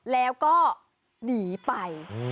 แล้วก็หนีไป